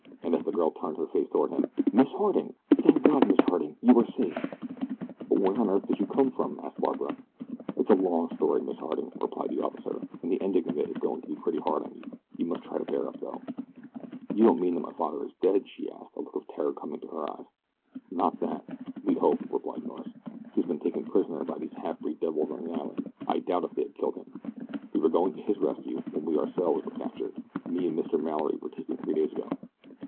and as the girl turned her face toward him, "Miss Harding! Thank God, Miss Harding, you are safe." "But where on earth did you come from?" asked Barbara. "It's a long story, Miss Harding," replied the officer, "and the ending of it is going to be pretty hard on you you must try to bear up though." "You don't mean that father is dead?" she asked, a look of terror coming to her eyes. "Not that we hope," replied Norris. "He has been taken prisoner by these half breed devils on the island. I doubt if they have killed him we were going to his rescue when we ourselves were captured. He and Mr. Mallory were taken three days ago."